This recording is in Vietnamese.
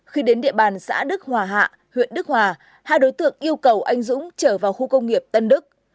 khi đến địa bàn xã đức hòa hạ huyện đức hòa hai đối tượng yêu cầu anh dũng chở vào khu công nghiệp tân đức